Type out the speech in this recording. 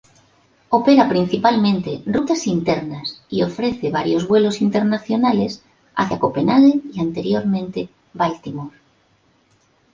Opera principalmente rutas internas y ofrece varios vuelos internacionales hacia Copenhague y anteriormente Baltimore.